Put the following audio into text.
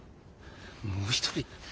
もう一人？